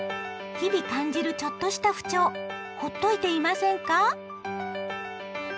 日々感じるちょっとした不調ほっといていませんか？